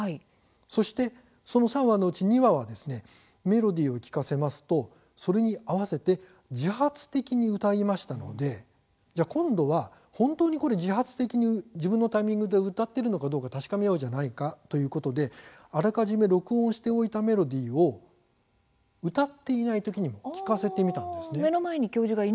そして、その３羽のうち２羽はメロディーを聴かせますとそれに合わせて自発的に歌いましたので今度は本当に自発的に自分のタイミングで歌うのかどうかを確かめようとあらかじめ録音しておいたメロディーを歌っていないときにも聴かせてみたんです。